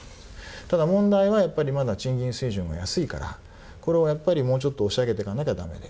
ただ問題はやっぱりまだ賃金水準が安いからこれをやっぱりもうちょっと押し上げていかなきゃだめで。